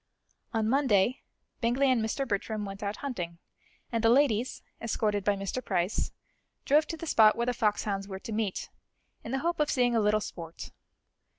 On Monday, Bingley and Mr. Bertram went out hunting, and the ladies, escorted by Mr. Price, drove to the spot where the foxhounds were to meet, in the hope of seeing a little sport.